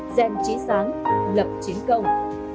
gen chí sáng lập chiến công